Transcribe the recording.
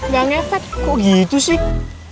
gak ngefek kok gitu sih